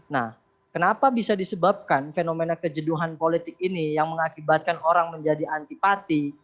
nah kenapa bisa disebabkan fenomena kejenuhan politik ini yang mengakibatkan orang menjadi antipati